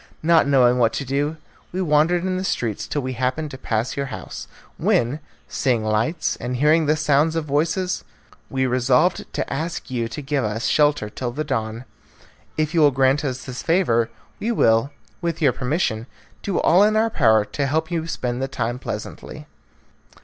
Not knowing what to do, we wandered in the streets till we happened to pass your house, when, seeing lights and hearing the sound of voices, we resolved to ask you to give us shelter till the dawn. If you will grant us this favour, we will, with your permission, do all in our power to help you spend the time pleasantly."